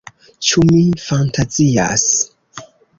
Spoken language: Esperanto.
Ĉu mi fantazias?